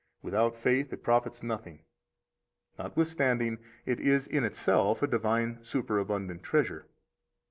34 Without faith it profits nothing, notwithstanding it is in itself a divine superabundant treasure.